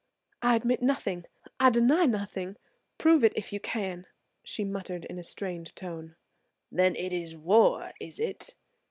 "I admit nothing; I deny nothing. Prove it if you can," she muttered in a strained tone. "Then it is war, is it?